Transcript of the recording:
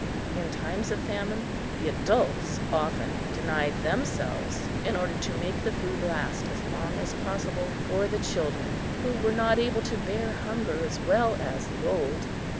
In times of famine, the adults often denied themselves in order to make the food last as long as possible for the children, who were not able to bear hunger as well as the old.